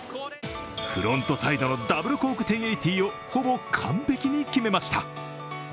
フロントサイドのダブルコーク１０８０をほぼ完璧に決めました。